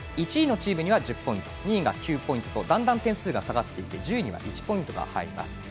１位のチームに１０ポイント２位に９ポイントとだんだん点数が下がっていって１０位には１ポイントが入ります。